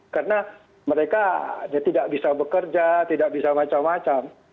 karena mereka tidak bisa bekerja tidak bisa macam macam